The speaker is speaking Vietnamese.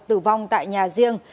tử vong tại nhà riêng